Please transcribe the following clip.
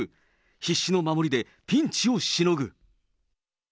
必死の守りでピンチをしのぐ。